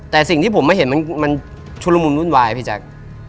แต่สิ่งที่ผมไม่เห็นมันชุดละมุนวุ่นวายพี่แจ๊ค